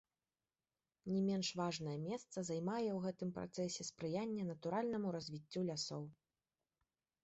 Не менш важнае месца займае ў гэтым працэсе спрыянне натуральнаму развіццю лясоў.